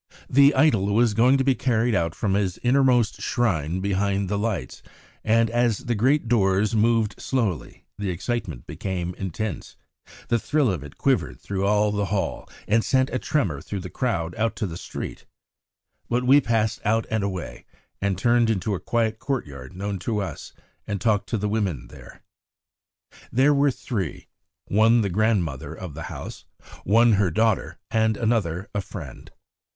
The idol was going to be carried out from his innermost shrine behind the lights; and as the great doors moved slowly, the excitement became intense, the thrill of it quivered through all the hall and sent a tremor through the crowd out to the street. But we passed out and away, and turned into a quiet courtyard known to us and talked to the women there. There were three, one the grandmother of the house, one her daughter, and another a friend.